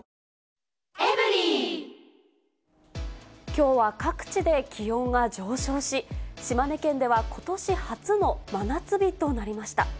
きょうは各地で気温が上昇し、島根県ではことし初の真夏日となりました。